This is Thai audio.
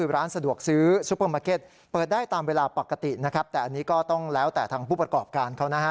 ๗ร้านสะดวกซื้อเปิดได้ตามเวลาปกติแต่อันนี้ก็ต้องแล้วแต่ทางผู้ประกอบการ